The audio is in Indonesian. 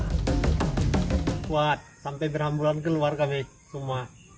kuat sampai berhamburan keluar kami semua